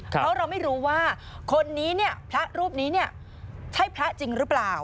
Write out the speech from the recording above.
เพราะเราไม่รู้ว่าคนนี้เนี่ยพระรูปนี้เนี่ยใช่พระจริงหรือเปล่า